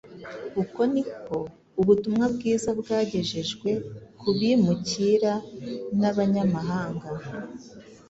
Uko ni ko ubutumwa bwiza bwagejejwe ku bimukira n’abanyamahanga